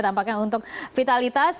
tampaknya untuk vitalitas